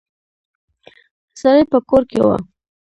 سړی په کور کې و.